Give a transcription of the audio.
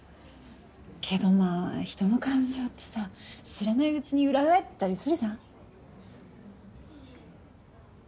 けどまあ人の感情ってさ知らないうちに裏返ってたりするじゃん？